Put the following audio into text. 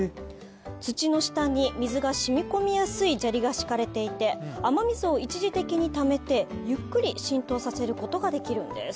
土の下に水が染み込みやすい砂利が敷かれていて、雨水を一時的にためてゆっくり浸透させることができるんです。